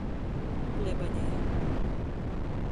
Plebaneja.